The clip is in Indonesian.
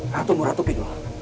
ratumu ratuki dulu